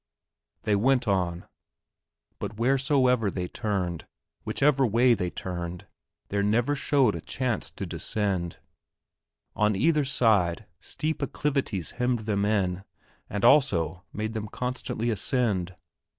They went on; but wheresoever they turned, whichever way they turned, there never showed a chance to descend. On either side steep acclivities hemmed them in, and also made them constantly ascend.